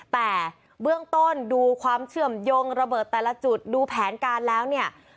แต่เบื้องต้นดูความเชื่อมโยงระเบิดแต่ละจุดดูแผนการแล้วเนี่ย